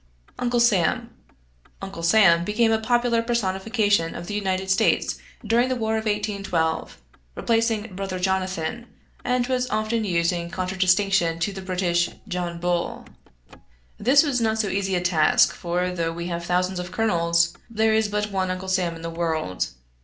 {Uncle Sam = "Uncle Sam" became a popular personification of the United States during the War of 1812, replacing Brother Jonathan, and was often used in contradistinction to the British "John Bull"} This was not so easy a task, for though we have thousands of colonels, there is but one Uncle Sam in the world.